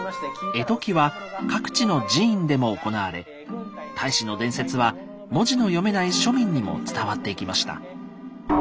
絵解きは各地の寺院でも行われ太子の伝説は文字の読めない庶民にも伝わっていきました。